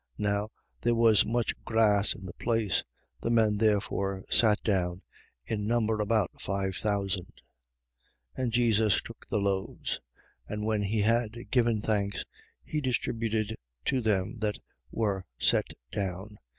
Now, there was much grass in the place. The men therefore sat down, in number about five thousand. 6:11. And Jesus took the loaves: and when he had given thanks, he distributed to them that were set down.